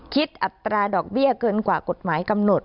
อัตราดอกเบี้ยเกินกว่ากฎหมายกำหนด